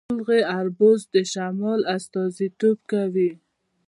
سیمرغ البرز د شمال استازیتوب کوي.